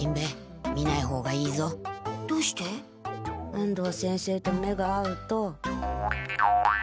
安藤先生と目が合うと。